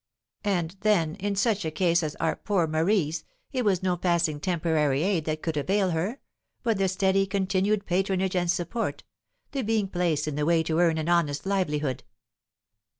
And, then, in such a case as our poor Marie's, it was no passing temporary aid that could avail her, but the steady, continued patronage and support, the being placed in the way to earn an honest livelihood.